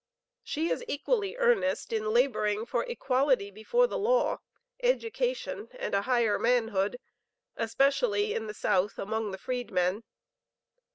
She is equally earnest in laboring for Equality before the law education, and a higher manhood, especially in the South, among the Freedmen.